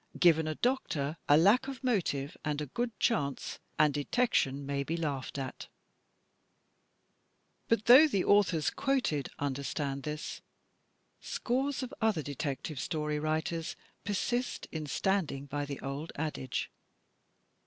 Given a doctor, a lack of motive and a good chance, and detection may be laughed at." But though the authors quoted understand this, scores of other Detective Story writers persist in standing by the old adage.